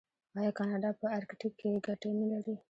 آیا کاناډا په ارکټیک کې ګټې نلري؟